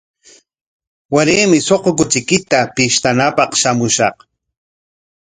Waraymi suqu kuchiykita pishtanapaq shamushaq.